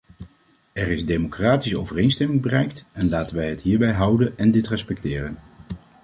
Er is democratisch overeenstemming bereikt, en laten wij het hierbij houden en dit respecteren.